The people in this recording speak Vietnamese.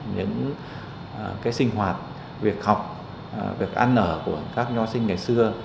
những sinh hoạt việc học việc ăn ở của các nho sinh ngày xưa